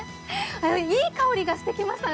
いい香りがしてみましたね。